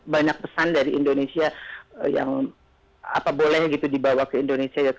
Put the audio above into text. banyak pesan dari indonesia yang apa boleh gitu dibawa ke indonesia